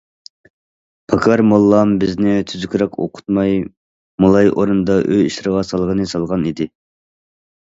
پاكار موللام بىزنى تۈزۈكرەك ئوقۇتماي، مالاي ئورنىدا ئۆي ئىشلىرىغا سالغىنى سالغان ئىدى.